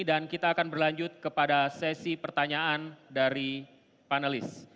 dan kita akan berlanjut kepada sesi pertanyaan dari panelis